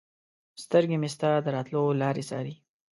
سترګې مې ستا د راتلو لارې څاري